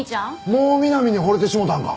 もうみなみに惚れてしもたんか。